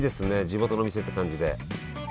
地元の店って感じで。